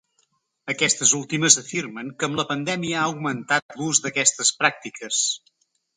Aquestes últimes afirmen que amb la pandèmia ha augmentat l’ús d’aquestes pràctiques.